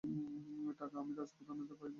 টাকা আমি রাজপুতানাতেই পাইব, তাহার কোন চিন্তা নাই।